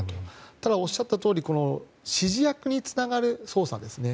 ただ、おっしゃったとおり指示役につながる捜査ですね。